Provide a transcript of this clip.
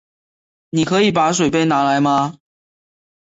你可以把水杯拿来吗？